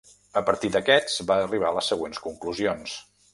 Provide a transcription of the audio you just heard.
A partir d'aquests va arribar a les següents conclusions.